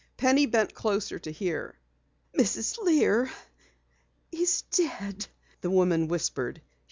Penny bent closer to hear. "Mrs. Lear is dead," the woman whispered.